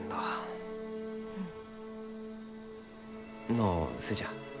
のう寿恵ちゃん。